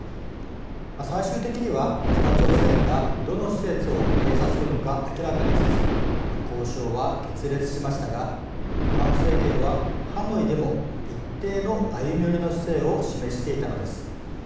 最終的には、北朝鮮がどの施設を閉鎖するのか明らかにせず交渉は決裂しましたがトランプ政権はハノイでも一定の歩み寄りの姿勢を示していたのです。